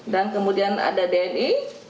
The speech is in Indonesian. dan kemudian ada dni